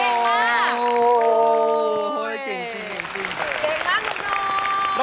เก่งมากนุ๊กนุ๊ก